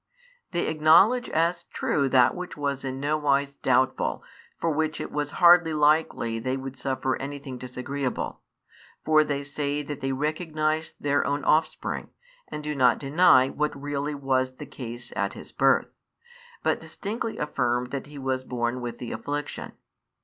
They acknowledge as true that which was in no wise doubtful and for which it was hardly likely they would |34 suffer anything disagreeable; for they say that they recognise their own offspring, and do not deny what really was the case at his birth, but distinctly affirm that he was born with the affliction.